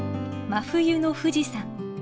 真冬の富士山。